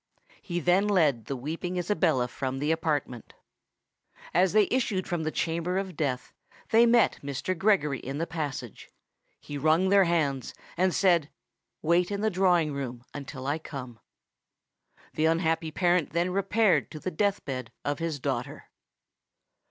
He then led the weeping Isabella from the apartment. As they issued from the chamber of death, they met Mr. Gregory in the passage: he wrung their hands, and said, "Wait in the drawing room until I come." The unhappy parent then repaired to the death bed of his daughter.